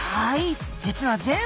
はい。